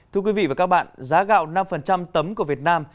thưa quý vị và các bạn giá gạo năm tấm của việt nam